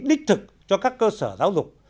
đích thực cho các cơ sở giáo dục